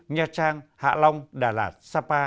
nha trang hạ long đà lạt sapa